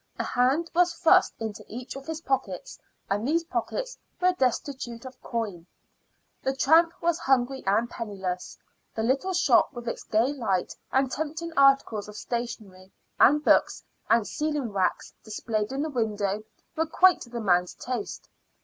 A hand was thrust into each of his pockets, and these pockets were destitute of coin. The tramp was hungry and penniless. The little shop with its gay light and tempting articles of stationery, and books and sealing wax displayed in the window, were quite to the man's taste.